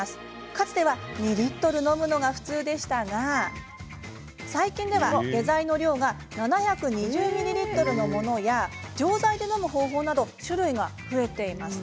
かつては２リットル飲むのが普通でしたが最近では、下剤の量が７２０ミリリットルのものや錠剤で飲む方法など種類が増えています。